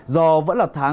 giò vẫn là tháng